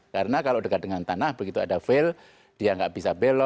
karena kalau dekat dengan tanah begitu ada fail dia nggak bisa belok